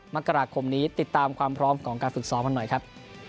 มกราคมนี้ติดตามความพร้อมของการฝึกซ้อมกันหน่อยครับ